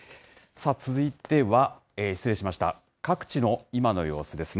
さあ、続いては失礼しました、各地の今の様子ですね。